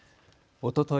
おととい